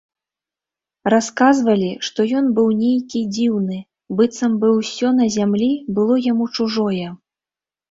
Расказвалі, што ён быў нейкі дзіўны, быццам бы ўсё на зямлі было яму чужое.